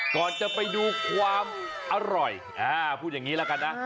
ก่อนจะไปดูความอร่อยพูดอย่างนี้ละกันนะ